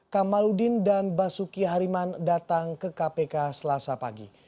kamaludin dan basuki hariman datang ke kpk selasa pagi